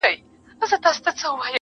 کرې شپه وایو سندري سپېدې وچوي رڼا سي!.